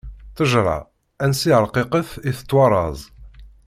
Ṭṭejṛa ansi ṛqiqet, i tettwaṛṛaẓ.